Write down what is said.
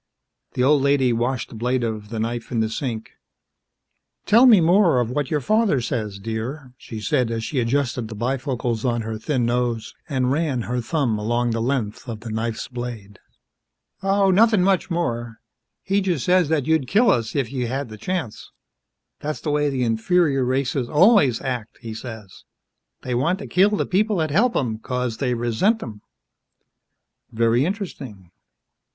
The old lady washed the blade of the knife in the sink. "Tell me more of what your father says, dear," she said as she adjusted the bifocals on her thin nose and ran her thumb along the length of the knife's blade. "Oh, nothin' much more. He just says that you'd kill us if you had th' chance. That's the way the inferior races always act, he says. They want to kill th' people that help 'em, 'cause they resent 'em." "Very interesting."